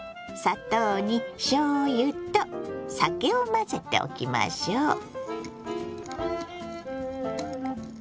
砂糖にしょうゆと酒を混ぜておきましょう。